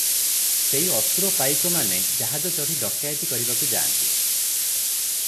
ସେଇ ଅସୁର ପାଇକମାନେ ଜାହାଜ ଚଢ଼ି ଡକାଏତି କରିବାକୁ ଯାନ୍ତି ।"